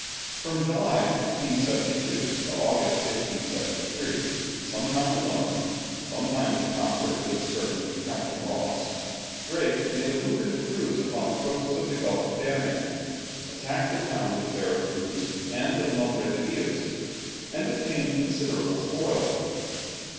From July, 1572, to August, 1573, sometimes alone, sometimes in concert with a certain Captain Rawse, Drake made a lucrative cruise upon the coasts of the Gulf of Darien, attacked the towns of Vera Cruz and of Nombre de Dios, and obtained considerable spoil.